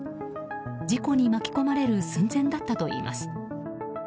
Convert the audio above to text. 事故に巻き込まれる寸前だったといいます。